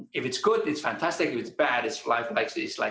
jika itu bagus itu fantastis jika itu buruk itu masalah